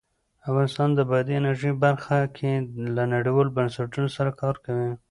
افغانستان د بادي انرژي برخه کې له نړیوالو بنسټونو سره کار کوي.